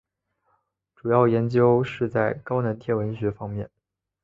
主要研究是在高能天文学方面。